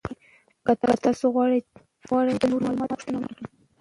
که تاسو غواړئ نو د نورو معلوماتو پوښتنه وکړئ.